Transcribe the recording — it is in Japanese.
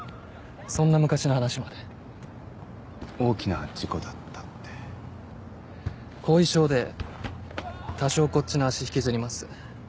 そんな昔の話まで大きな事故だったって後遺症で多少こっちの脚引きずります